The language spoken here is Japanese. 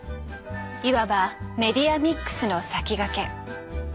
いわばメディアミックスの先駆け。